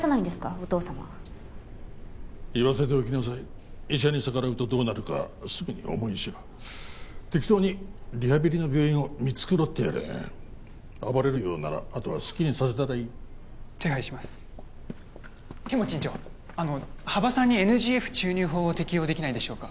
お父様言わせておきなさい医者に逆らうとどうなるかすぐに思い知る適当にリハビリの病院を見繕ってやれ暴れるようならあとは好きにさせたらいい手配します剣持院長あの羽場さんにＮＧＦ注入法を適用できないでしょうか？